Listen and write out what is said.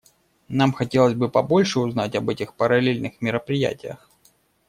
Нам хотелось бы побольше узнать об этих параллельных мероприятиях.